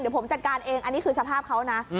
เดี๋ยวผมจัดการเองอันนี้คือสภาพเขานะ